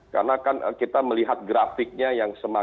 karena kan kita melihat grafiknya yang sempurna